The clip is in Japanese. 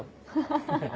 ハハハハ。